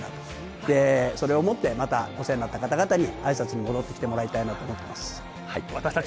で、それを持ってお世話なった方々にあいさつに戻って来てもらいたいなと思います。